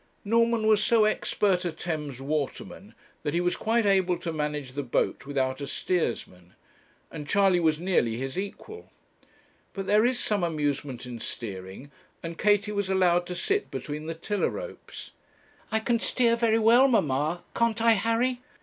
Norman was so expert a Thames waterman, that he was quite able to manage the boat without a steersman, and Charley was nearly his equal. But there is some amusement in steering, and Katie was allowed to sit between the tiller ropes. 'I can steer very well, mamma: can't I, Harry?